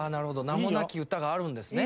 『名もなき詩』があるんですね。